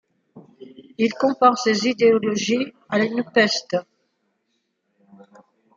Il compare ces idéologies à une peste.